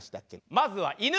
まずは犬。